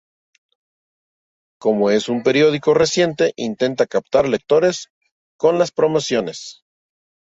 Como es un periódico reciente intenta captar lectores con las promociones.